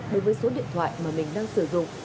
đối với số điện thoại mà mình đang sử dụng